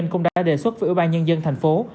cũng đã đề xuất với ủy ban nhân dân tp